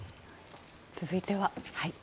続いては。